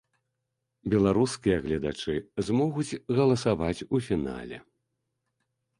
Беларускія гледачы змогуць галасаваць у фінале.